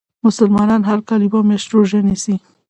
مسلمانان هر کال یوه میاشت روژه نیسي .